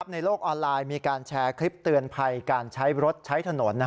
ในโลกออนไลน์มีการแชร์คลิปเตือนภัยการใช้รถใช้ถนน